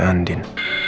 kau mau cari andin